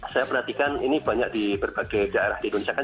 saya perhatikan ini banyak di berbagai daerah di indonesia kan